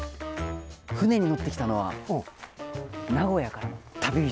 船にのってきたのは名古屋からの旅人。